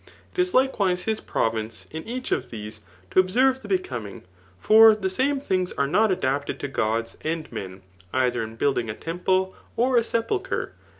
It is likewise his province, in each of these to observe the be coming } for the same things are not adapted to gods and men, ekher in building a temple or a sqmlchre.